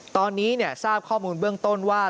ตอนนี้ทราบข้อมูลเบื้องต้นว่า